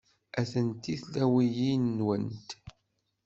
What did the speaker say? Atenti tlawiyin-nwent.